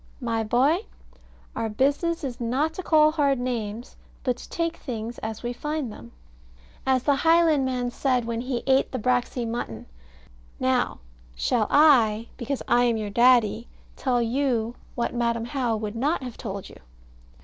My boy, our business is not to call hard names, but to take things as we find them, as the Highlandman said when he ate the braxy mutton. Now shall I, because I am your Daddy, tell you what Madam How would not have told you?